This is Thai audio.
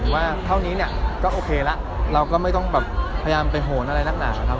ว่าเท่านี้เนี่ยก็โอเคแล้วเราก็ไม่ต้องแบบพยายามไปโหนอะไรนักหนานะครับ